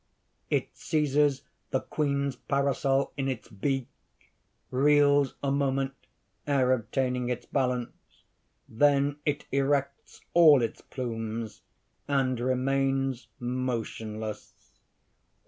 _ _It seizes the Queen's parasol in its beak, reels a moment ere obtaining its balance; then it erects all its plumes, and remains motionless.